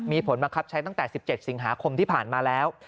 มีผลบังคับใช้ตั้งแต่๑๗สิงหาคมที่ผ่านมาแล้ว